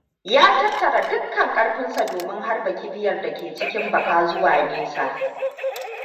Ya tattara dukkan ƙarfinsa domin harba kibiyar dake cikin baka zuwa nesa.